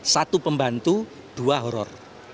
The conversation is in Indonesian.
satu pembantu dua horror